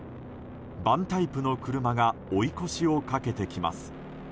バンタイプの車が追い越しをかけてきます。